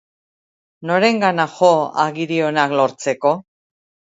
Norengana jo, agiri onak lortzeko?